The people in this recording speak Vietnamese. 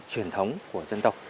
truyền thống của dân tộc